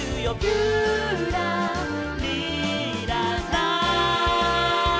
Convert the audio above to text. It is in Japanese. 「ぴゅらりらら」